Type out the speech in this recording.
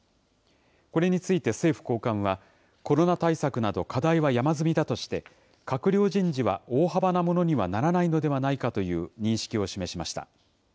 これについて政府高官は、コロナ対策など課題は山積みだとして、閣僚人事は大幅なものにはならないのではないかという認識を示しました。